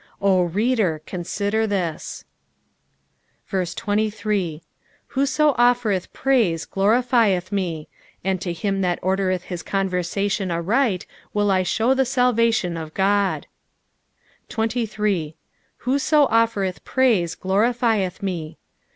O reader, consider this. 23 Whoso offereth praise glorifieth me : and to him that ordereth /its conversation aright will I shew the salvation of God. 38. "fffcn* offereth praiie glorifieth me."